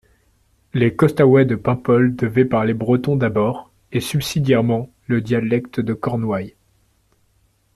Les Costaouët de Paimpol devaient parler breton d'abord et subsidiairement le dialecte de Cornouailles.